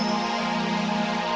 dan aku harus membayarmu